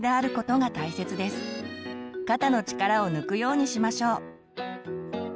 肩の力を抜くようにしましょう。